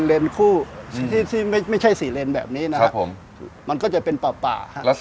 เลนคู่ที่ที่ที่ไม่ไม่ใช่สีเลนแบบนี้นะครับครับผมมันก็จะเป็นป่าป่าครับ